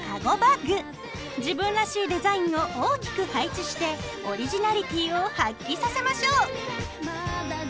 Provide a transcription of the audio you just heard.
自分らしいデザインを大きく配置してオリジナリティを発揮させましょう。